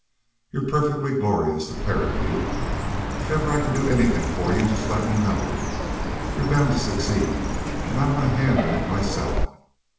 You're perfectly glorious, the pair of you. If ever I can do anything for you, just let me know. You're bound to succeed, and I want a hand in it myself.